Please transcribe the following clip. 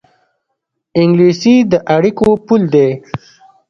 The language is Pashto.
انګلیسي د اړیکو پُل دی